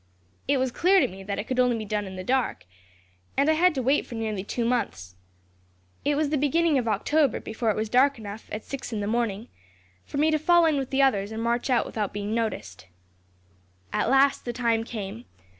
"It was clear to me that it could only be done in the dark, and I had to wait for nearly two months. It was the beginning of October before it was dark enough, at six in the morning, for me to fall in with the others and march out without being noticed. "At last, the time came.